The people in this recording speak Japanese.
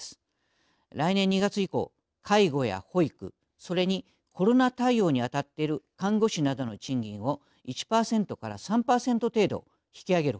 来年２月以降介護や保育それにコロナ対応に当たっている看護師などの賃金を１％から３％程度引き上げる方針です。